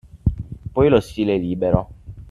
poi lo stile libero